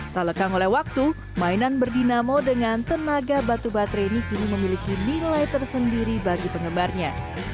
tak lekang oleh waktu mainan berdinamo dengan tenaga batu baterai ini kini memiliki nilai tersendiri bagi penggemarnya